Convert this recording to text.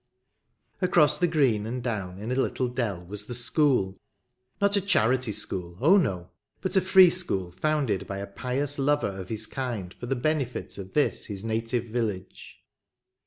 Across the green and down in a little dell was the school ; not a charity school — oh no !— but a free school, founded by a pious lover of his kind for the benefit of this his native village.